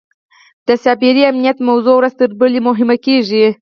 د سایبري امنیت موضوع ورځ تر بلې مهمه کېږي.